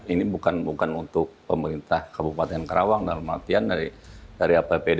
ini bukan untuk pemerintah kabupaten kerawang dalam artian dari apbd satu